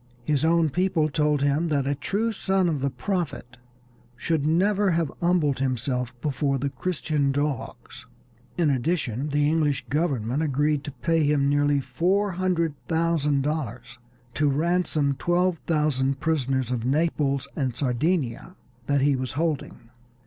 His own people told him that a true son of the Prophet should never have humbled himself before the Christian dogs. In addition the English government agreed to pay him nearly four hundred thousand dollars to ransom twelve thousand prisoners of Naples and Sardinia that he was holding.